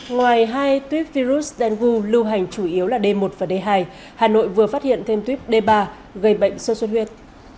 ngoài hai tuyết virus dengue lưu hành chủ yếu là d một và d hai hà nội vừa phát hiện thêm tuyết d ba gây bệnh sơ xuất huyết